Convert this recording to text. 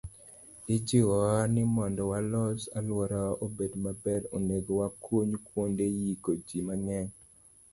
Ijiwowa ni mondo walos alworawa obed maber, onego wakuny kuonde yiko ji mang'eny.